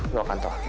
lo gak tau apa